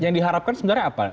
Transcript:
yang diharapkan sebenarnya apa